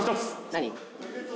何？